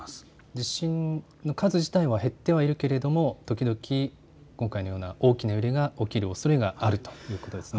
地震の数自体は減っていますが時々このような大きな揺れが起きるということがあるということですね。